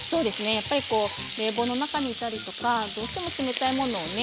やっぱりこう冷房の中にいたりとかどうしても冷たいものをね